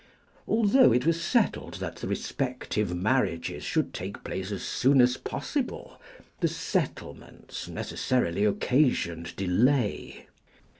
Although it was settled that the respective marriages should take place as soon as possible, the settlements necessarily occasioned delay.